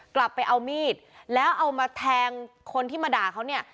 กลับไปเอามีดแล้วเอามาแทงคนที่มาด่าเขาเนี่ย